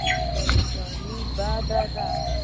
پریشاني بد دی.